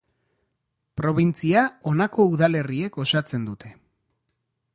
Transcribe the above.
Probintzia honako udalerriek osatzen dute.